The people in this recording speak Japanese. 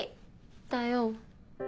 だよ。